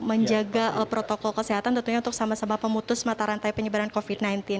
menjaga protokol kesehatan tentunya untuk sama sama pemutus mata rantai penyebaran covid sembilan belas